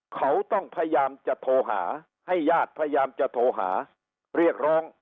เขาต้องพยายามจะโทรหาให้ญาติพยายามจะโทรหาเรียกร้อง